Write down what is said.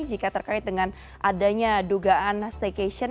jika terkait dengan adanya dugaan staycation